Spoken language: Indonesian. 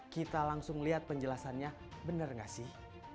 kita langsung lihat penjelasannya benar gak sih